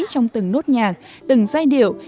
trong từng nốt nhạc từng giai điệu